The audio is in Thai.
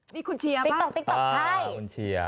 นี่คูณเซีย